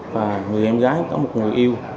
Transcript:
và người em gái có một người yêu